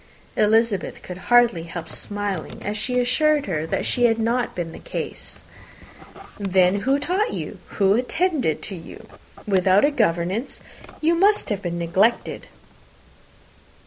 Elizabeth could hardly help smiling, as she assured her that had not been the case. "Then who taught you? who attended to you? Without a governess, you must have been neglected."